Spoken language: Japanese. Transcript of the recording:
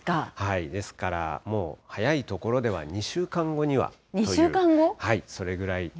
ですからもう、早い所では２週間後にはという。